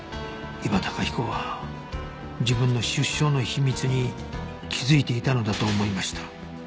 伊庭崇彦は自分の出生の秘密に気づいていたのだと思いました